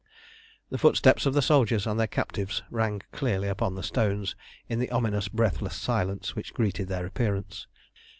The footsteps of the soldiers and their captives rang clearly upon the stones in the ominous breathless silence which greeted their appearance.